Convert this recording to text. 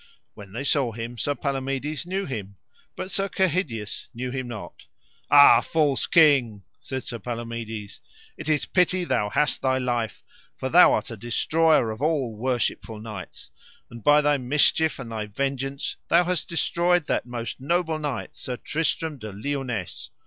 When they saw him Sir Palomides knew him, but Sir Kehydius knew him not. Ah, false king, said Sir Palomides, it is pity thou hast thy life, for thou art a destroyer of all worshipful knights, and by thy mischief and thy vengeance thou hast destroyed that most noble knight, Sir Tristram de Liones.